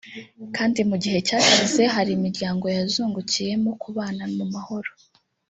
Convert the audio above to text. kandi mu gihe cyashize hari imiryango yazungukiyemo kubana mu mahoro